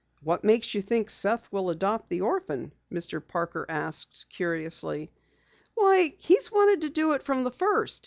"What makes you think Seth will adopt the orphan?" Mr. Parker asked curiously. "Why, he's wanted to do it from the first.